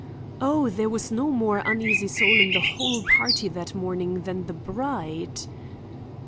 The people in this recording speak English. "Oh, there was no more uneasy soul in the whole party that morning than the bride!"